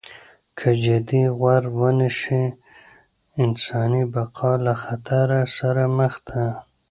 که جدي غور ونشي انساني بقا له خطر سره مخ ده.